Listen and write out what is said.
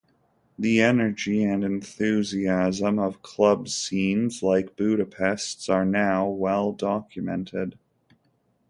The energy and enthusiasm of club scenes like Budapest's are now well documented.